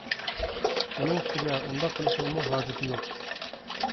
ئۇنىڭ ئۈستىگە، ئۇنداق قىلىشنىڭمۇ ھاجىتى يوق.